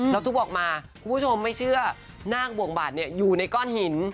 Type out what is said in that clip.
แล้วทุบออกมาคุณผู้ชมไม่เชื่อนาคบวงบาดอยู่ในก้อนหิน